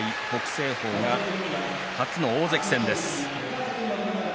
青鵬が初の大関戦です。